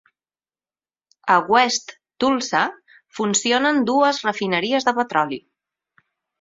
A West Tulsa funcionen dues refineries de petroli.